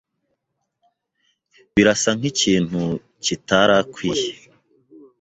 Birasa nkikintu kitarakwiye.